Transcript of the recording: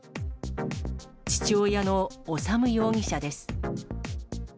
父親の修容疑者です。